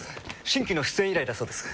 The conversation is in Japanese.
新規の出演依頼だそうです。